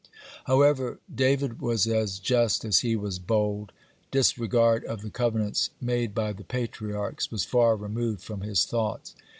(58) However, David was as just as he was bold. Disregard of the covenants made by the Patriarchs was far removed from his thoughts.